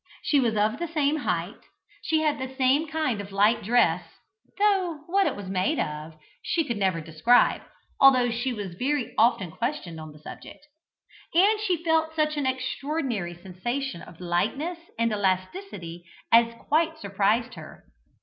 She was of the same height; she had the same kind of light dress (though what it was made of, she could never describe, although she was very often questioned on the subject,) and she felt such an extraordinary sensation of lightness and elasticity as quite surprised her.